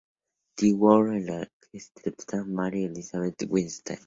The World", en la que es interpretada por Mary Elizabeth Winstead.